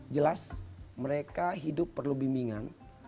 jelas mereka hidup perlu bimbingan